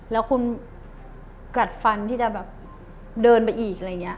แล้วคุณกัดฟันที่จะเดินไปอีก